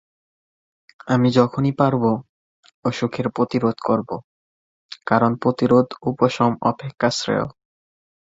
আমি যখনই পারব, অসুখের প্রতিরোধ করব, কারণ প্রতিরোধ উপশম অপেক্ষা শ্রেয়।